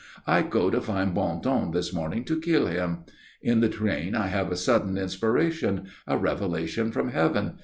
"I go to find Bondon this morning to kill him. In the train I have a sudden inspiration, a revelation from Heaven.